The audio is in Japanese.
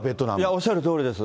おっしゃるとおりです。